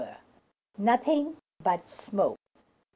NOTHING BUT SMOKE.